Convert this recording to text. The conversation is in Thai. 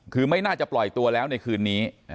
คือไม่น่าจะปล่อยตัวแล้วในคืนนี้